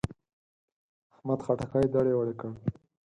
احمد خټکی دړې دړې کړ.